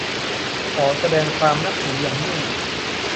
ขอแสดงความนับถืออย่างยิ่ง